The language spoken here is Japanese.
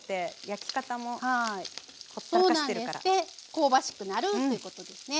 香ばしくなるということですね。